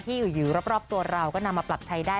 อยู่รอบตัวเราก็นำมาปรับใช้ได้